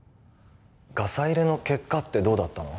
ガサ入れの結果ってどうだったの？